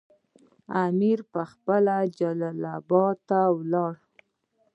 امیر پخپله جلال اباد ته ولاړ.